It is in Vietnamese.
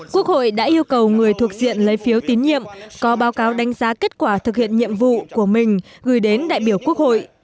quốc hội đã yêu cầu người thuộc diện lấy phiếu tín nhiệm có báo cáo đánh giá kết quả thực hiện nhiệm vụ của mình gửi đến đại biểu quốc hội